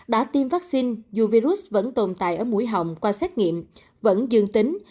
đã tiêm vaccine dù virus vẫn tồn tại ở mũi họng qua xét nghiệm vẫn dương tính